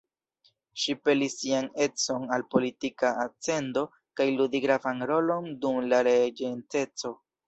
Ŝi pelis sian edzon al politika ascendo kaj ludi gravan rolon dum la Regenteco.